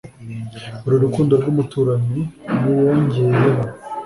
uru rukundo rwumuturanyi nuwongeyeho